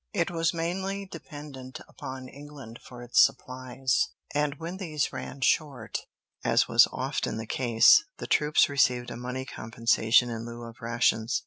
It was mainly dependent upon England for its supplies, and when these ran short, as was often the case, the troops received a money compensation in lieu of rations.